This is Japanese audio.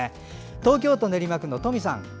東京都練馬区のトミさん。